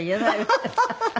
アハハハ！